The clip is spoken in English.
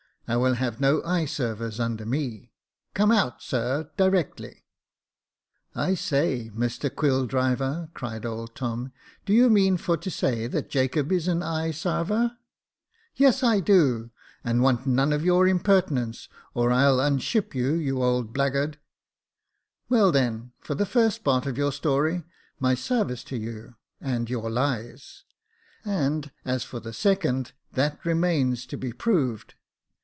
I will have no eye servers under me. Come out, sir, directly," *' I say, Mr Quilldriver," cried old Tom, " do you mean for to say that Jacob is an eye sarver ?"" Yes, I do : and w^ant none of your impertinence, or I'll unship you, you old blackguard." " Well then, for the first part of your story, my sarvice to you, and you lies ; and as for the second, that remains to be proved."